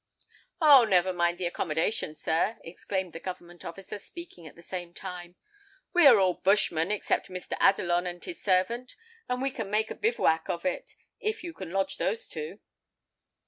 "Oh! never mind the accommodation, sir," exclaimed the government officer, speaking at the same time. "We are all bushmen except Mr. Adelon and his servant, and we can make a bivouac of it, if you can lodge those two."